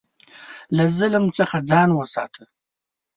له ظلم څخه ځان وساته.